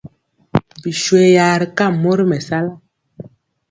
Biswe ya ri kam mori mɛsala.